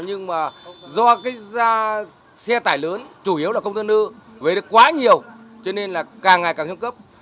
nhưng mà do cái xe tải lớn chủ yếu là công tên ơ về quá nhiều cho nên là càng ngày càng xuống cấp